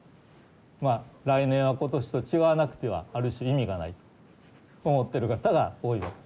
まあ来年は今年と違わなくてはある種意味がないと思ってる方が多いわけ。